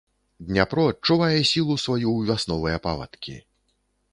Дняпро адчувае сілу сваю ў вясновыя павадкі.